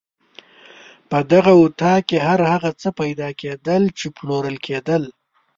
په دغه اطاق کې هر هغه څه پیدا کېدل چې پلورل کېدل.